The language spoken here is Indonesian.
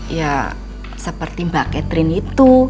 ya seperti mbak catherine itu